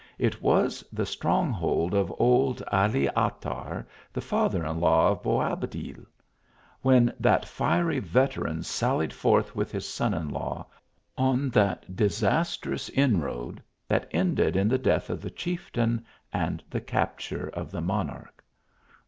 It was the strong hold of old Ali Atar, the father in law of Boabclil, when that fiery veteran sallied forth with his son in law, on that disastrous inroad, that ended in the death of the chief ain, and the capture of the monarch.